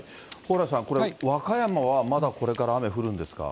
蓬莱さん、これ、和歌山はまだこれから雨降るんですか。